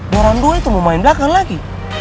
noran dua itu mau main belakang lagi